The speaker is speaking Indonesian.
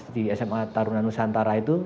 di sma tarunan nusantara itu